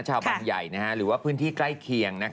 บางใหญ่หรือว่าพื้นที่ใกล้เคียง